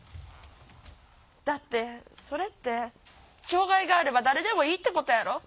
だってそれって障害があれば誰でもいいってことやろ。